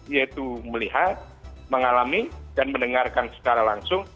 yaitu melihat mengalami dan mendengarkan secara langsung